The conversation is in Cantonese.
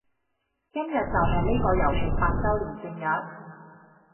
今日就係呢個遊戲八周年正日